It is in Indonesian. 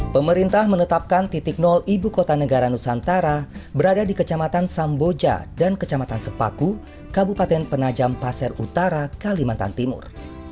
pemerintah menetapkan titik nol ibu kota negara nusantara berada di kecamatan samboja dan kecamatan sepaku kabupaten penajam pasir utara kalimantan timur